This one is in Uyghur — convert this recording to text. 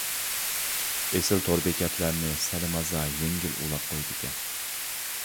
ئېسىل تور بېكەتلەرنى سەللىمازا يەڭگىل ئۇلاپ قويىدىكەن.